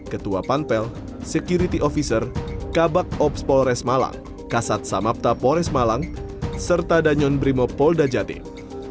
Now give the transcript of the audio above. ketua pantel security officer kabak ops polres malang kasat samapta polres malang serta danyon brimo polda jatim